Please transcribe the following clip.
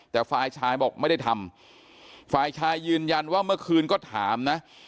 แต่ฝ่ายชายบอกไม่ได้ทำฝ่ายชายยืนยันว่าเมื่อคืนก็ถามนะ